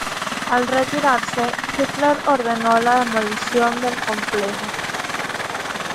Al retirarse, Hitler ordenó la demolición del complejo.